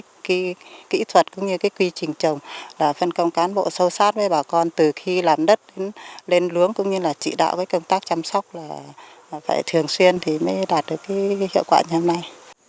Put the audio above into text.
cái kỹ thuật cũng như cái quy trình trồng là phân công cán bộ sâu sát với bà con từ khi làm đất lên lướng cũng như là trị đạo với công tác chăm sóc là phải thường xuyên thì mới đạt được cái hiệu quả như thế này